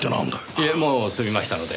いえもう済みましたので。